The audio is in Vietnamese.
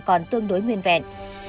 còn tương đối nguyên vẹn